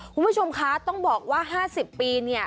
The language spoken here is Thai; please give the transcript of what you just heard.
คุณผู้ชมคะต้องบอกว่า๕๐ปีเนี่ย